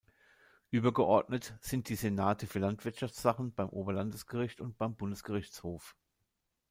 Übergeordnet sind die "Senate für Landwirtschaftssachen" beim Oberlandesgericht und beim Bundesgerichtshof.